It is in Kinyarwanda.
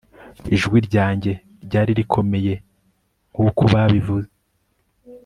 ijwi ryanjye ryari rikomeye nkuko nabivue